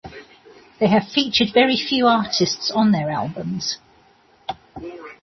They have featured very few artists on their albums.